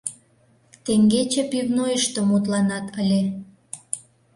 — Теҥгече пивнойышто мутланат ыле.